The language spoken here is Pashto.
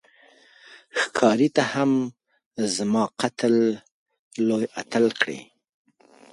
ښکاري ته هم زما قتل لوی اتل کړې